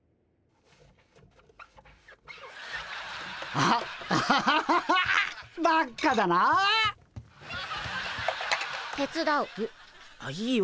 あっいいよ。